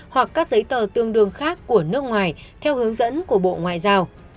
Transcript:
hoặc các giấy tờ tương đương khác của nước ngoài theo hướng dẫn của bộ ngoại giao